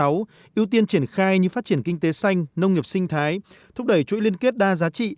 ưu tiên triển khai như phát triển kinh tế xanh nông nghiệp sinh thái thúc đẩy chuỗi liên kết đa giá trị